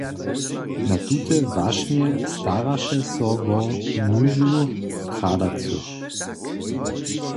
Na tute wašnje staraše so wo nuzu tradacych.